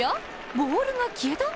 ボールが消えた？